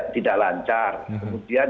tidak lancar kemudian